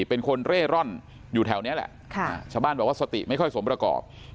เป็นคนเร่ร่อนอยู่แถวนี้แหละชาวบ้านบอกว่าสติไม่ค่อยสมประกอบ